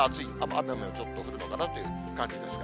雨もちょっと降るかなという感じですが。